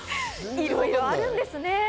いろいろあるんですね。